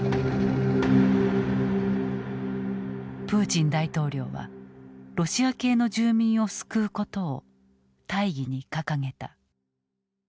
プーチン大統領はロシア系の住民を救うことを大義に掲げた。